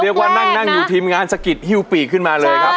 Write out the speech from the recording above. เรียกว่านั่งอยู่ทีมงานสะกิดฮิวปีกขึ้นมาเลยครับ